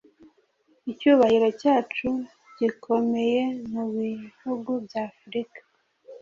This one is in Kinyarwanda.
Icyubahiro cyacu gikomeye, Mubihugu bya Afrika,